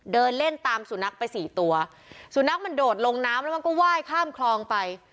เดินเล่นตามสุนัขไปสี่ตัวสุนัขมันโดดลงน้ำแล้วมันก็ไหว้ข้ามคลองไป